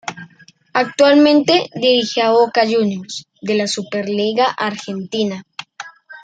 Actualmente dirige a Boca Juniors de la Superliga Argentina.